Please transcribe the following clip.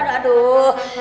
aduh ada kejadiannya